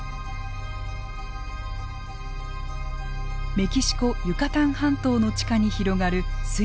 メキシコユカタン半島の地下に広がる水中洞窟。